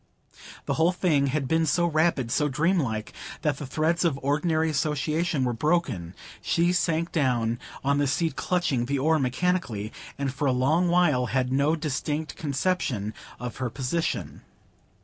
The whole thing had been so rapid, so dreamlike, that the threads of ordinary association were broken; she sank down on the seat clutching the oar mechanically, and for a long while had no distinct conception of her position.